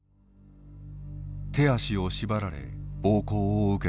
手足を縛られ暴行を受けた遺体。